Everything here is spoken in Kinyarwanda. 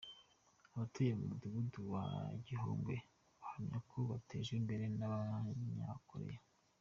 Abatuye mu mudugudu wa Gihogwe bahamya ko batejwe imbere n’Abanyakoreya